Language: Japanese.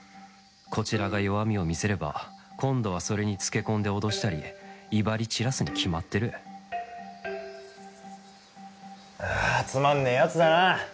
こちらが弱みを見せれば今度はそれにつけこんで脅したり威張り散らすに決まってるあつまんねえヤツだな。